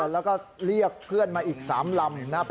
แล้วก็เรียกเพื่อนมาอีก๓ลำ